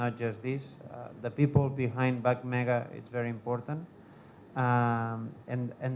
orang orang di belakang bank mega sangat penting